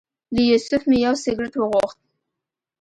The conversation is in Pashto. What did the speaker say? له یوسف مې یو سګرټ وغوښت.